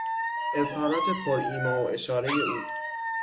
اظهارات پر ایما و اشارهی او